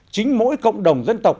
chính mỗi cộng đồng dân tộc